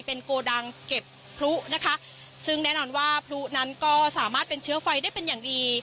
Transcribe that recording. เป็นโกดังเก็บพลุนะคะซึ่งแน่นอนว่าพลุนั้นก็สามารถเป็นเชื้อไฟได้เป็นอย่างดี